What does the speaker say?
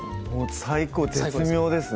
最高絶妙ですね